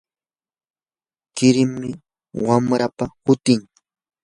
qurim wamrapa hutin.